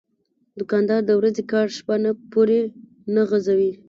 دوکاندار د ورځې کار شپه نه پورې نه غځوي.